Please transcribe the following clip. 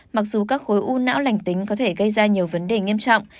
mặc dù các khối u não lành tính có thể gây ra nhiều vấn đề nghiêm trọng